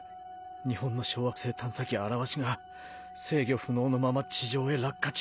日本の小惑星探査機「あらわし」が制御不能のまま地上へ落下中。